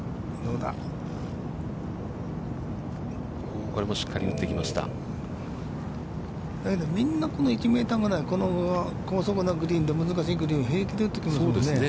だけど、みんなこの１メートルぐらい、この高速なグリーンで難しいグリーンを平気で打ってくるんですね。